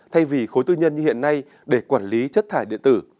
thay vì khối tư nhân như hiện nay để quản lý chất thải điện tử